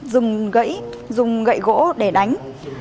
dùng gậy gỗ để đánh